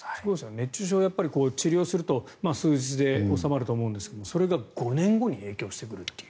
熱中症、治療すると数日で収まると思うんですがそれが５年後に永久してくるという。